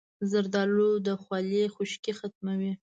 زردالو د خولې خشکي ختموي.